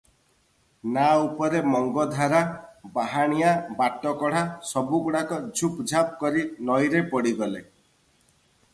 ନାଆ ଉପରେ ମଙ୍ଗଧରା, ବାହାଣିଆ, ବାଟକଢ଼ା, ସବୁଗୁଡାକ ଝୁପ୍ ଝାପ୍ କରି ନଈରେ ପଡିଗଲେ ।